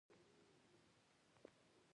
د سیاست لغوی معنا : سیاست عربی کلمه ده.